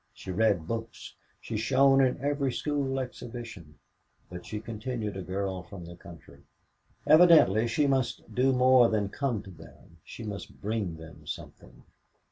She read books, she shone in every school exhibition, but she continued a girl from the country. Evidently she must do more than come to them; she must bring them something.